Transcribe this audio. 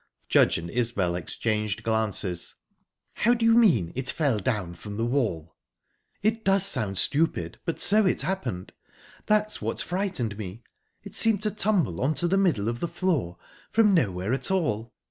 Judge and Isbel exchanged glances. "How do you mean 'it fell down from the wall'?" "It does sound stupid, but so it happened. That's what frightened me. It seemed to tumble on to the middle of the floor, from nowhere at all."